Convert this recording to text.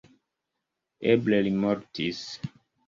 Eble li mortis.